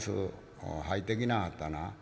「ほ入ってきなはったな？